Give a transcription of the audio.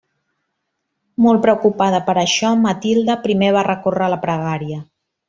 Molt preocupada per això, Matilde, primer va recórrer a la pregària.